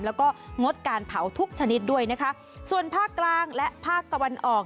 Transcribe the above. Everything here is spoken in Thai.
แล้วก็งดการเผาทุกชนิดด้วยนะคะส่วนภาคกลางและภาคตะวันออก